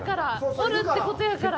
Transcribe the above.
おるってことやから。